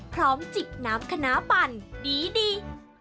พร้อมจิบน้ำขนาปั่นดี